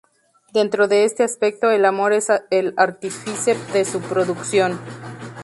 Dentro de este aspecto, el amor es el artífice de su producción".